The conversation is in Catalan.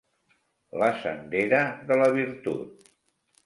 La sendera de la virtut.